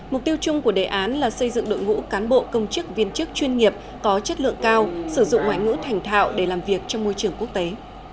mục tiêu chung của đề án là xây dựng đội ngũ cán bộ công chức viên chức chuyên nghiệp có chất lượng cao sử dụng ngoại ngữ thành thạo để làm việc trong môi trường quốc tế